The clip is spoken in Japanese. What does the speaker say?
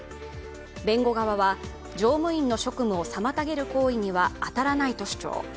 弁護側は、乗務員の職務を妨げる行為には当たらないと主張。